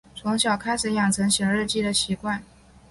从小学开始养成写日记的习惯